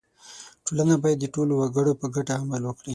• ټولنه باید د ټولو وګړو په ګټه عمل وکړي.